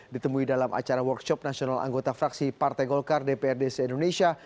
ditemui dalam acara workshop nasional anggota fraksi partai golkar dprd se indonesia